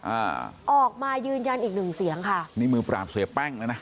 อ่าออกมายืนยันอีกหนึ่งเสียงค่ะนี่มือปราบเสียแป้งแล้วนะ